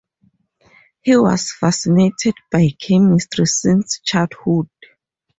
He was fascinated by chemistry since childhood.